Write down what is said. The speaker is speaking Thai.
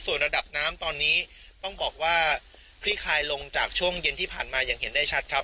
ส่วนระดับน้ำตอนนี้ต้องบอกว่าคลี่คลายลงจากช่วงเย็นที่ผ่านมาอย่างเห็นได้ชัดครับ